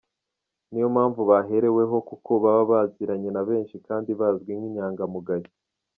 Ni yo mpamvu bahereweho kuko baba baziranye na benshi kandi bazwi nk’inyangamugayo.